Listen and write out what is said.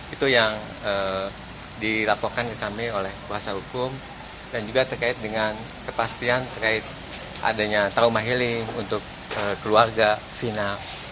itu yang dilaporkan ke kami oleh kuasa hukum dan juga terkait dengan kepastian terkait adanya trauma healing untuk keluarga fina